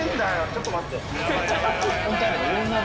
ちょっと待って。